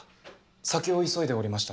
先を急いでおりましたので。